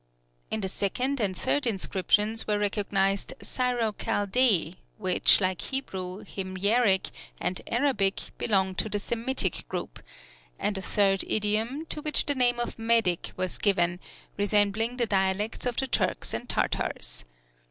In the second and third inscriptions were recognized Syro Chaldee, which, like Hebrew, Himyaric, and Arabic, belong to the Semitic group, and a third idiom, to which the name of Medic was given, resembling the dialects of the Turks and Tartars.